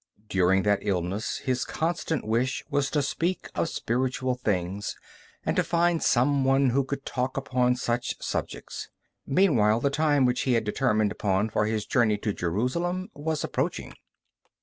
During that illness his constant wish was to speak of spiritual things, and to find some one who could talk upon such subjects. Meanwhile the time which he had determined upon for his journey to Jerusalem was approaching.